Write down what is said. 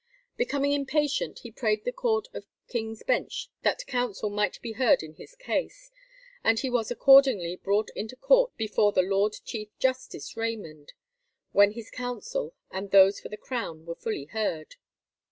Becoming impatient, he prayed the Court of King's Bench that counsel might be heard in his case, and he was accordingly brought into court before the Lord Chief Justice Raymond, when his counsel and those for the Crown were fully heard.